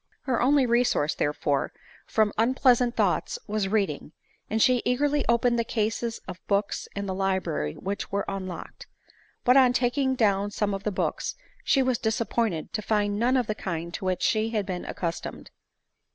* Her only resource, therefore, from unpleasant thoughts was reading ; and she eagerly opened the cases of books in the library which were unlocked. But, on taking down some of the books, she was disappointed to find none of the kind to which she had been accustomed.